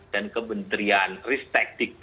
dan kementerian riset teknik